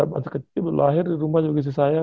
masih kecil lahir di rumah juga istri saya